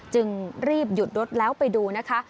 จึงรีบหยุดรถแล้วไปดูนะคะ